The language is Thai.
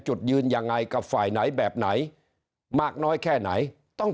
จุดยืนยังไงกับฝ่ายไหนแบบไหนมากน้อยแค่ไหนต้อง